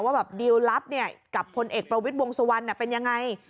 ว่าดีลลับกับคนเอกประวิดบวงสวรรค์เป็นยังไง